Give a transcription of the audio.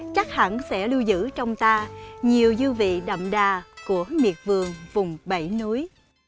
chắc hẳn sẽ lưu giữ trong ta nhiều dư vị đậm đà của miệt vườn vùng bảy núi